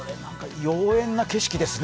妖艶な景色ですね。